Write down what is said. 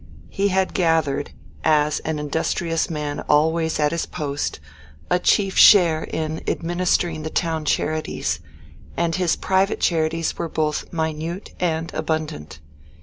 He had gathered, as an industrious man always at his post, a chief share in administering the town charities, and his private charities were both minute and abundant.